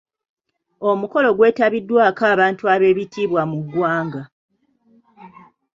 Omukolo gwetabiddwako abantu ab'ekitiibwa mu ggwanga.